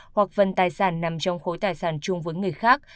hoặc phần tài sản nằm trong khối tài sản chung với người khác